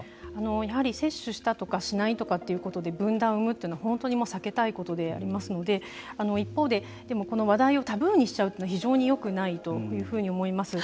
やはり接種したとかしないとかということで分断を生むというのは本当に避けたいことでありますので一方で、でもこの話題をタブーにしちゃうというのは非常によくないというふうに思います。